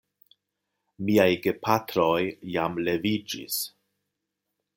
Miaj gepatroj jam leviĝis.